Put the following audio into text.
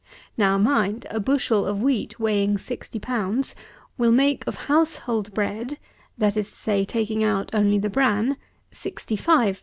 Now mind, a bushel of wheat, weighing 60lb. will make of household bread (that is to say, taking out only the bran) 65lb.